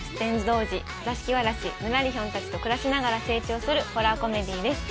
童子ぬらりひょんたちと暮らしながら成長するホラーコメディーです。